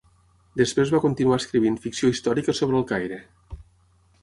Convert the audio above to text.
Després va continuar escrivint ficció històrica sobre El Caire.